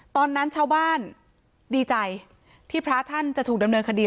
ตอนนั้นชาวบ้านดีใจที่พระท่านจะถูกดำเนินคดี